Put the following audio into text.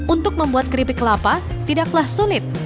untuk membuat keripik kelapa tidaklah sulit